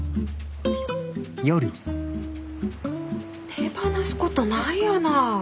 手放すことないやない。